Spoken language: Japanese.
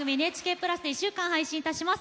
プラスで１週間配信いたします。